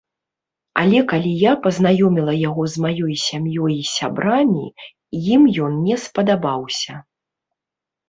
Але калі я пазнаёміла яго з маёй сям'ёй і сябрамі, ім ён не спадабаўся.